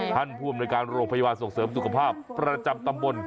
ผู้อำนวยการโรงพยาบาลส่งเสริมสุขภาพประจำตำบล